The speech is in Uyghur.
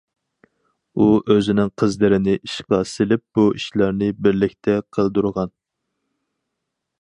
ئۇ ئۆزىنىڭ قىزلىرىنى ئىشقا سېلىپ بۇ ئىشلارنى بىرلىكتە قىلدۇرغان.